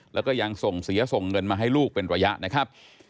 แล้วก็ยังส่งเสียส่งเงินมาให้ลูกเป็นระยะนะครับ